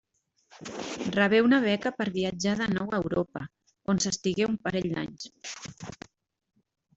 Rebé una beca per viatjar de nou a Europa, on s'estigué un parell d'anys.